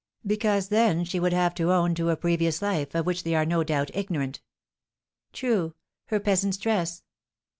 "Because then she would have to own to a previous life, of which they are no doubt ignorant." "True; her peasant's dress."